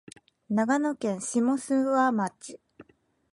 長野県下諏訪町